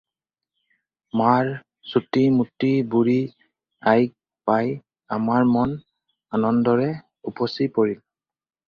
মাৰ চুটি-মুটি বুঢ়ী আইক পাই আমাৰ মন আনন্দেৰে উপচি পৰিল।